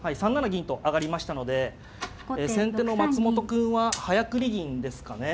銀と上がりましたので先手の松本くんは早繰り銀ですかね。